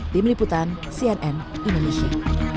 tim liputan cnn indonesia